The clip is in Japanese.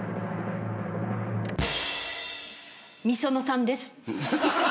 ｍｉｓｏｎｏさんです。